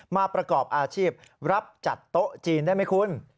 ประกอบอาชีพรับจัดโต๊ะจีนได้ไหมคุณ